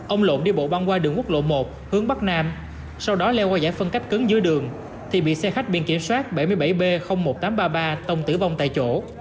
ông lộn đi bộ băng qua đường quốc lộ một hướng bắc nam sau đó leo qua giải phân cách cứng dưới đường thì bị xe khách biển kiểm soát bảy mươi bảy b một nghìn tám trăm ba mươi ba tông tử vong tại chỗ